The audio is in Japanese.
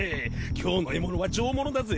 今日の獲物は上物だぜ！